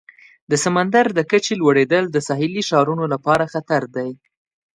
د سمندر د کچې لوړیدل د ساحلي ښارونو لپاره خطر دی.